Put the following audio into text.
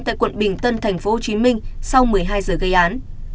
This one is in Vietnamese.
tại quận bình tân thành phố hồ chí minh sau một mươi hai giờ gây án